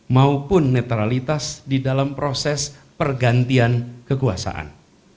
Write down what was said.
maupun netralitas di dalam proses pergantian kekuasaan